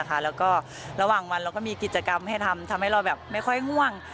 แล้วก็ระหว่างวันเราก็มีกิจกรรมให้ทำให้เราแบบไม่ค่อยง่วง